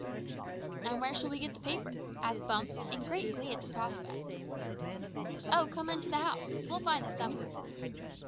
"And where shall we get the paper?" asked Bumps in great glee at the prospect. "Oh, come on into the house. We'll find it somewhere."